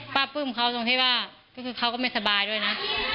ป้าปื้มเขาตรงที่ว่าเขาก็ไม่สบายด้วยนะ